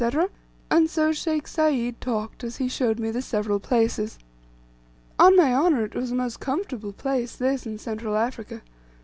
so Sheikh Sayd talked, as he showed me the several places. On my honour, it was a most comfortable place, this, in Central Africa.